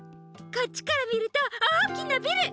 こっちからみるとおおきなビル！